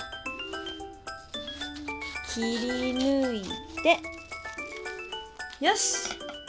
切りぬいてよし！